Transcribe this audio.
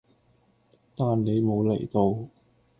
但你無嚟到